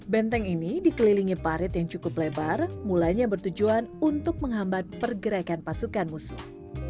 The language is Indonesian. benteng ini dikelilingi parit yang cukup lebar mulanya bertujuan untuk menghambat pergerakan pasukan musuh